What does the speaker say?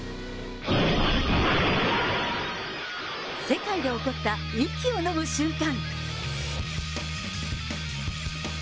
世界で起こった息をのむ瞬間。